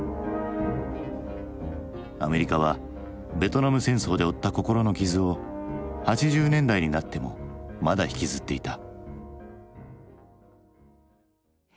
アメリカはベトナム戦争で負った心の傷を８０年代になってもまだ引きずっていた。